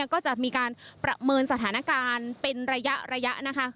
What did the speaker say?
ก็จะมีการประเมินสถานการณ์เป็นระยะนะคะ